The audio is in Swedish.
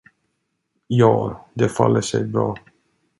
Ja, det faller sig bra.